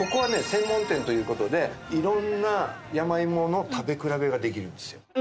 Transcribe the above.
専門店という事で色んな山芋の食べ比べができるんですよ。